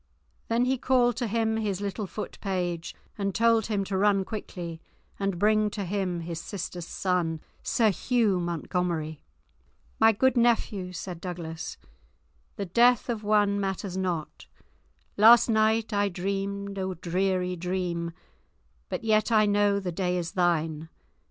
Then he called to him his little foot page and told him to run quickly and bring to him his sister's son, Sir Hugh Montgomery. "My good nephew," said Douglas, "the death of one matters not; last night I dreamed a dreary dream, but yet I know the day is thine.